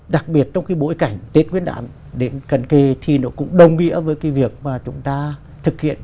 đặc biệt trong cái bối cảnh tết nguyên đán đến cận kề thì nó cũng đồng nghĩa với cái việc mà chúng ta thực hiện